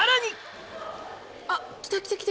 あっ来た来た来た。